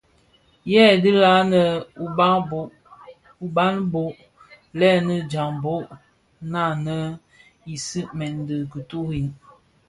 Hei dhi ňannë uba bo: lènii djambhog ňanèn u sigmèn di kituri,